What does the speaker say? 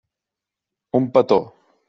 Un petó.